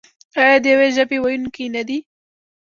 آیا د یوې ژبې ویونکي نه دي؟